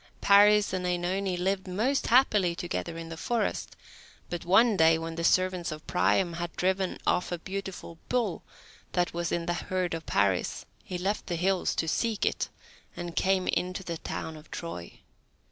Paris and OEnone lived most happily together in the forest; but one day, when the servants of Priam had driven off a beautiful bull that was in the herd of Paris, he left the hills to seek it, and came into the town of Troy.